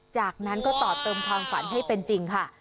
จากนั้นก็ต่อเติมความฝันให้เป็นจริงค่ะ